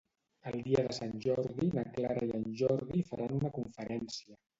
El dia de Sant Jordi, na Clara i en Jordi faran una conferència